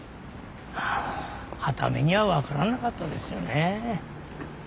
はた目には分からなかったですよね。